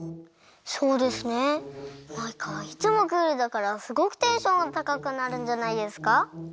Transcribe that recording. そうですねマイカはいつもクールだからすごくテンションがたかくなるんじゃないですか？